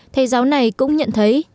thầy giáo này cũng nhận thấy